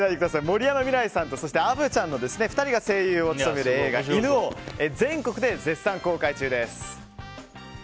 森山未來さんとアヴちゃんの２人が声優を務める映画「犬王」全国で絶賛公開中です。